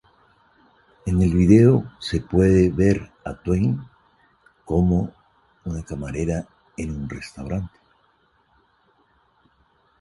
En el vídeo se puede ver a Twain cómo una camarera en un restaurante.